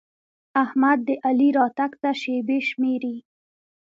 احمد د علي راتګ ته شېبې شمېري.